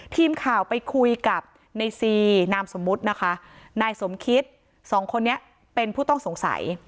ทีมข่าวไปคุยกับในซีนามสมมุตินะคะนายสมคิตสองคนนี้เป็นผู้ต้องสงสัย